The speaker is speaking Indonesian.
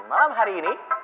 malam hari ini